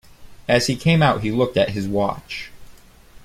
As he came out he looked at his watch.